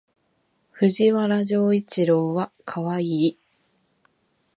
藤原丈一郎はかわいい